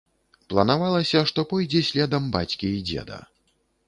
Планавалася, што пойдзе следам бацькі і дзеда.